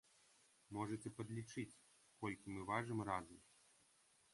Можаце падлічыць, колькі мы важым разам.